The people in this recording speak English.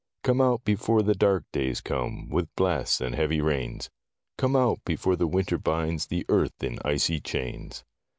Come out, before the dark days come, With blasts and heavy rains : Come out, before the winter binds The earth in icy chains.